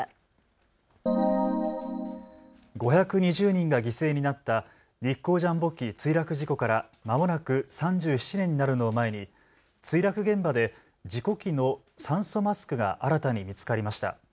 ５２０人が犠牲になった日航ジャンボ機墜落事故からまもなく３７年になるのを前に墜落現場で事故機の酸素マスクが新たに見つかりました。